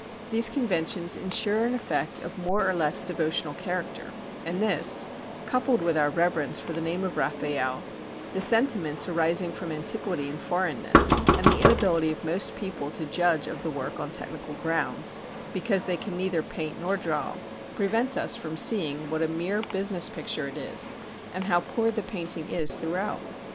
These conventions ensure an effect of more or less devotional character, and this, coupled with our reverence for the name of Raffaelle, the sentiments arising from antiquity and foreignness, and the inability of most people to judge of the work on technical grounds, because they can neither paint nor draw, prevents us from seeing what a mere business picture it is and how poor the painting is throughout.